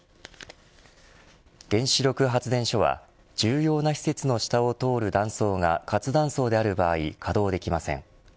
原子力発電所は重要な施設の下を通る断層が活断層である場合稼働できません。